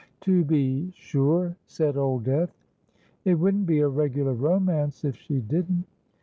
"To be sure," said Old Death: "it wouldn't be a regular romance if she didn't."